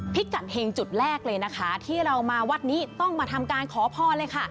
พิกัดเฮงจุดแรกเลยนะคะที่เรามาวัดนี้ต้องมาทำการขอพรเลยค่ะ